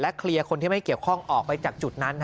เคลียร์คนที่ไม่เกี่ยวข้องออกไปจากจุดนั้น